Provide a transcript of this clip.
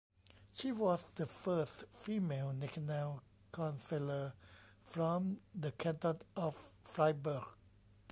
She was the first female National Councillor from the canton of Fribourg.